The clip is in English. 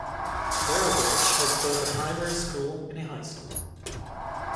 Boroughbridge has both a primary school and a high school.